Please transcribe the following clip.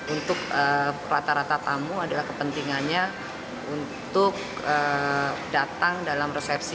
untuk rata rata tamu adalah kepentingannya untuk datang dalam resepsi